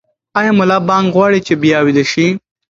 ایا ملا بانګ غواړي چې بیا ویده شي؟